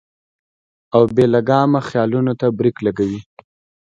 او بې لګامه خيالونو ته برېک لګوي -